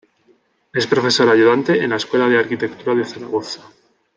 Es profesor ayudante en la escuela de Arquitectura de Zaragoza.